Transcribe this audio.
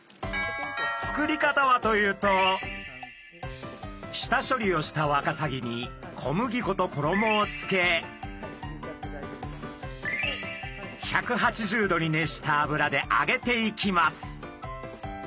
作り方はというと下処理をしたワカサギに小麦粉と衣をつけ１８０℃に熱した油で揚げていきます。